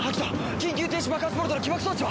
緊急停止爆発ボルトの起爆装置は？